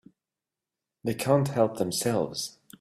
They can't help themselves.